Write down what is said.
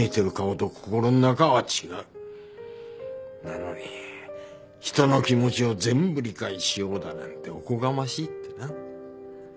なのに人の気持ちを全部理解しようだなんておこがましいってな。